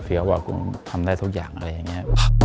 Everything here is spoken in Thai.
ว่าผมทำได้ทุกอย่างอะไรอย่างนี้